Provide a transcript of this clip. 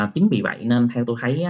chính vì vậy nên theo tôi thấy